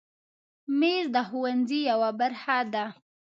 مېز د ښوونځي یوه برخه ده.